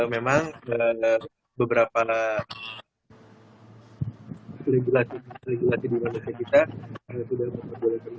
memang beberapa regulasi regulasi di indonesia kita sudah memperbolehkan